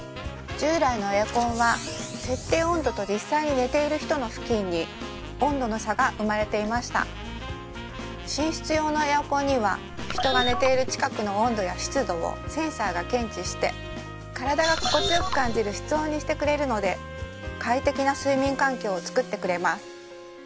従来のエアコンは設定温度と実際に寝ている人の付近に温度の差が生まれていました寝室用のエアコンには人が寝ている近くの温度や湿度をセンサーが検知して体が心地よく感じる室温にしてくれるのでを作ってくれます